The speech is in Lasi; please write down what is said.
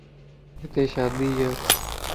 ھتي شادي ا